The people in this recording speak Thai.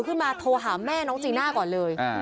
เพื่อนบ้านเจ้าหน้าที่อำรวจกู้ภัย